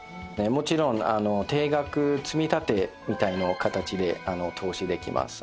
もちろんあの定額積み立てみたいな形で投資できます。